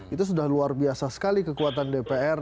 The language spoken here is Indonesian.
itu sudah luar biasa sekali kekuatan dpr